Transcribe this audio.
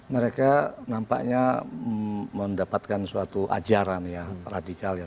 mereka nampaknya mendapatkan suatu ajaran ya radikal ya